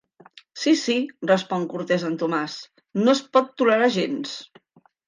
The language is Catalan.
Sí, sí –respon cortès el Tomàs–, no es pot tolerar gens.